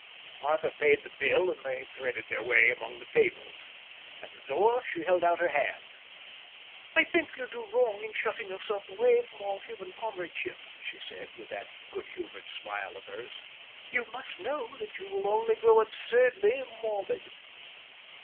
Arthur paid the bill, and they threaded their way among the tables. At the door she held out her hand. "I think you do wrong in shutting yourself away from all human comradeship," she said, with that good humoured smile of hers. "You must know that you will only grow absurdly morbid."